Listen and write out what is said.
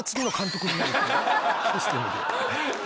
システムで。